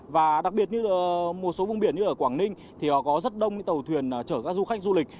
và đặc biệt như một số vùng biển như ở quảng ninh thì họ có rất đông tàu thuyền chở các du khách du lịch